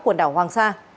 của đảo hoàng sa